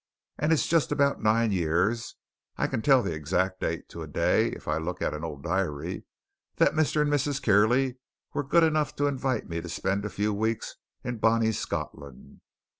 And it's just about nine years (I can tell the exact date to a day if I look at an old diary) that Mr. and Mrs. Kierley were good enough to invite me to spend a few weeks in Bonnie Scotland.